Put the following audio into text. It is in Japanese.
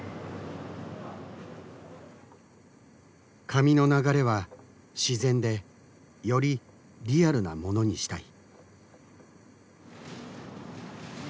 髪の流れは自然でよりリアルなものにしたい。